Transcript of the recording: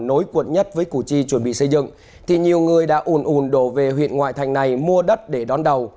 nối quận nhất với củ chi chuẩn bị xây dựng thì nhiều người đã ủn ùn đổ về huyện ngoại thành này mua đất để đón đầu